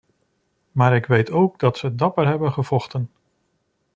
Maar ik weet ook dat ze dapper hebben gevochten.